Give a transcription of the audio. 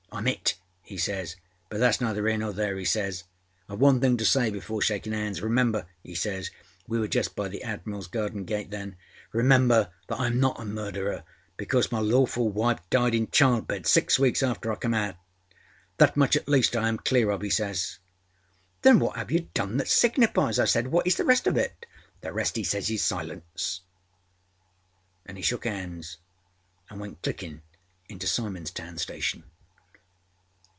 Iâm it,â he says, âbut thatâs neither here nor there,â he says. âIâve one thing to say before shakinâ âands. Remember,â âe saysâwe were just by the Admiralâs garden gate thenââremember, that I am not a murderer, because my lawful wife died in childbed six weeks after I came out. That much at least I am clear of,â âe says. ââThen what have you done that signifies?â I said. âWhatâs the rest of it?â ââThe rest,â âe says, âis silence,â anâ he shook âands and went clickinâ into Simons Town station.